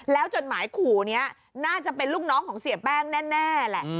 แล้วจดหมายขู่นี้น่าจะเป็นลูกน้องของเสียแป้งแน่แหละ